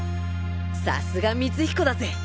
さすが光彦だぜ！